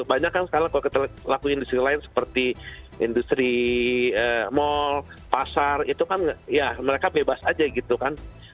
banyak kan sekarang kalau kita laku industri lain seperti industri mal pasar itu kan ya mereka bebas aja gitu kan